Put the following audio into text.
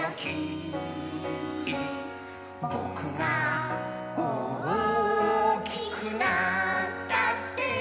「ぼくがおおきくなったって」